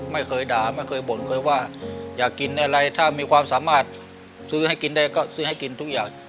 ไม่เคยด่าไม่เคยบ่นเคยว่าอยากกินอะไรถ้ามีความสามารถซื้อให้กินได้ก็ซื้อให้กินทุกอย่าง